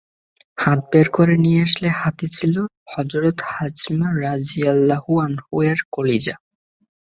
হাত বের করে নিয়ে আসলে হাতে ছিল হযরত হামযা রাযিয়াল্লাহু আনহু-এর কলিজা।